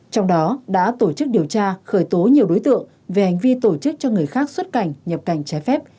trong đó đã tổ chức điều tra khởi tố nhiều đối tượng về hành vi tổ chức cho người khác xuất cảnh nhập cảnh trái phép